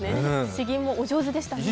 詩吟もお上手でしたね。